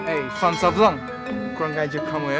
eh van jumbleng kurang gajah kamu ya